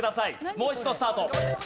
もう一度スタート。